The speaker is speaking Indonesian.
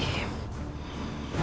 kau akan menang